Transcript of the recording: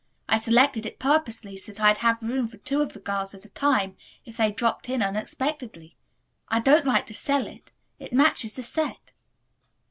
I selected it purposely, so that I'd have room for two of the girls at a time if they dropped in unexpectedly. I don't like to sell it. It matches the set."